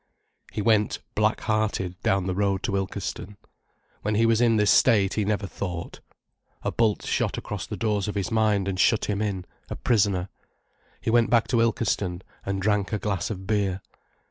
He went black hearted down the road to Ilkeston. When he was in this state he never thought. A bolt shot across the doors of his mind and shut him in, a prisoner. He went back to Ilkeston, and drank a glass of beer.